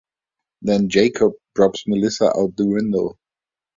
Then, Jacob drops Melissa out the window.